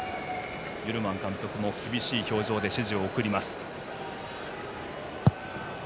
ユルマン監督も厳しい表情で指示を送ります。